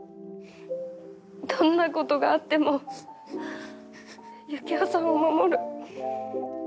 どんなことがあってもユキオさんを守る。